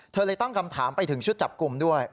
เลยตั้งคำถามไปถึงชุดจับกลุ่มด้วย